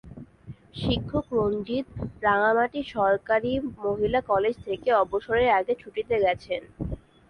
শিক্ষক রঞ্জিত রাঙামাটি সরকারি মহিলা কলেজ থেকে অবসরের আগে ছুটিতে গেছেন।